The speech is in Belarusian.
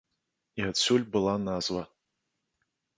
І адсюль была назва.